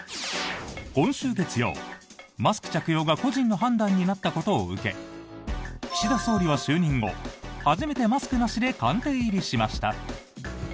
今週月曜、マスク着用が個人の判断になったことを受け岸田総理は就任後初めてマスクなしで官邸入りしました。